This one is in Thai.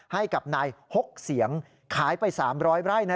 ให้กับนาย๖เสียงขายไป๓๐๐ไร่นะ